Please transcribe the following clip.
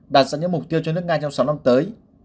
đạt ra những mục tiêu cho nước nga trong sáu năm tới